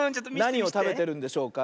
なにをたべてるんでしょうか？